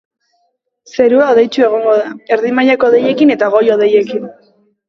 Zerua hodeitsu egongo da, erdi mailako hodeiekin eta goi-hodeiekin.